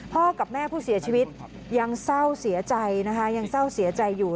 พ่อกับแม่ผู้เสียชีวิตยังเศร้าเสียใจอยู่